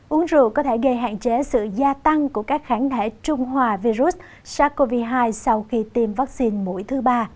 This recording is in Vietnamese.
uống rượu có thể gây hạn chế sự gia tăng của các kháng thể trung hòa virus sars cov hai sau khi tiêm vaccine mũi thứ ba